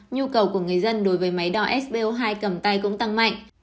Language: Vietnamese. nhu cầu của người dân đối với máy đo sbo hai cầm tay cũng tăng mạnh